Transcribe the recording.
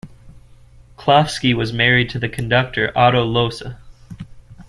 Klafsky was married to the conductor Otto Lohse.